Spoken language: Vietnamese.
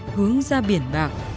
hướng ra biển bạc